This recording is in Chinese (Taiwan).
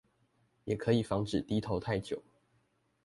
也可以防止低頭太久